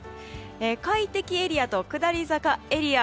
快適エリアと下り坂エリア。